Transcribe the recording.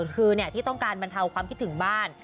คือที่ต้องการบรรเทาความคิดถึงบ้าน